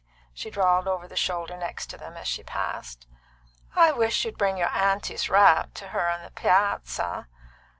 she drawled over the shoulder next them as she passed, "I wish you'd bring your aunty's wrap to her on the piazza."